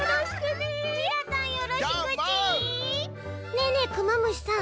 ねえねえクマムシさん